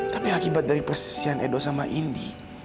tapi akibat dari persisian edo sama indi